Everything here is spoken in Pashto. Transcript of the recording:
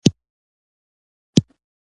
او نورګل کاکا سره يې ستړي مشې وکړه.